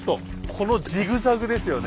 このジグザグですよね。